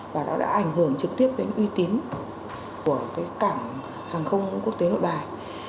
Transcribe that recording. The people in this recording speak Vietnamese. và nó đã ảnh hưởng trực tiếp đến uy tín của cảng hàng không quốc tế nội bài